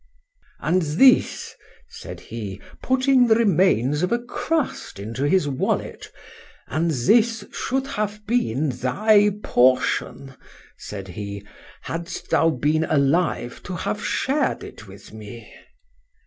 —AND this, said he, putting the remains of a crust into his wallet—and this should have been thy portion, said he, hadst thou been alive to have shared it with me.